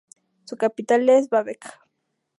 Su capital es Babək.